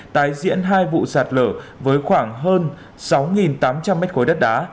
tái diễn hai vụ sạt lở với khoảng hơn sáu tám trăm linh mét khối đất đá